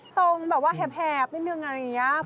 ทรงแบบว่าแหบนิดนึงอะไรอย่างนี้